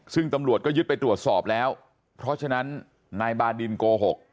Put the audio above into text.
ซึ่งตำรวจก็ยึดไปตรวจสอบแล้วเพราะฉะนั้นนายบาดินโกหก